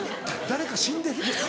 誰か死んでる？